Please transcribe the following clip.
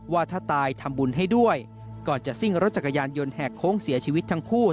ว่าถ้าตายทำบุญให้ด้วยก่อนจะซิ่งรถจักรยานยนต์แหกโค้งเสียชีวิตทั้งคู่